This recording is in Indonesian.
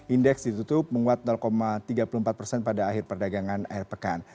indeks ditutup menguat tiga puluh empat persen pada akhir perdagangan air pekan